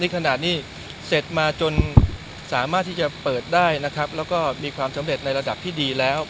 ขนาดนี้เสร็จมาจนสามารถที่จะเปิดได้นะครับแล้วก็มีความสำเร็จในระดับที่ดีแล้ว